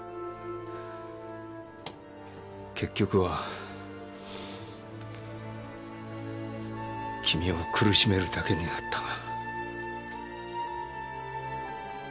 結局は君を苦しめるだけになったが。